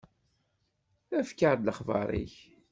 Efk-aɣ-d lexbar-ik.